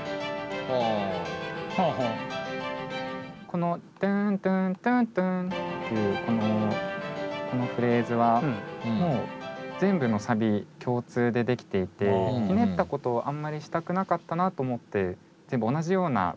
このトゥントゥントゥントゥンっていうこのフレーズはもう全部のサビ共通で出来ていてひねったことをあんまりしたくなかったなと思って全部同じようなフレーズにしてました。